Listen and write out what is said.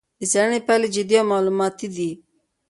د څېړنې پایلې جدي او معلوماتي دي.